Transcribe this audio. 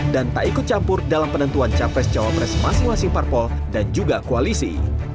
dan tak ikut campur dalam penentuan capres jawa pres masing masing parpol dan juga koalisi